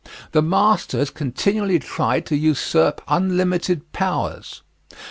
The master has continually tried to usurp unlimited powers.